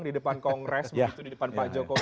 di depan kongres begitu di depan pak jokowi